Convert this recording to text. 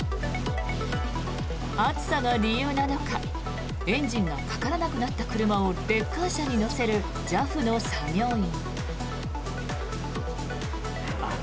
暑さが理由なのかエンジンがかからなくなった車をレッカー車に載せるＪＡＦの作業員。